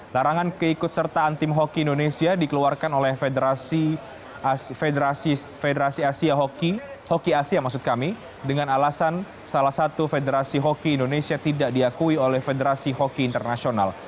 larangan keikut sertaan tim hockey indonesia dikeluarkan oleh federasi asia hockey dengan alasan salah satu federasi hockey indonesia tidak diakui oleh federasi hockey internasional